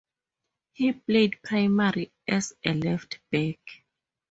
He played primarily as a left back.